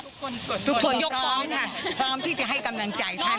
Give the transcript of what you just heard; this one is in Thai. ยกทุกคนอยู่กันค่ะทรยป้องที่จะให้กำลังใจท่าน